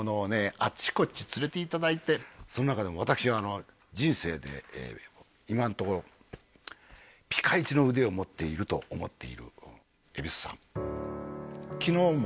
あっちこっち連れていただいてその中でも私人生で今のところピカイチの腕を持っていると思っているゑび秀さんえ！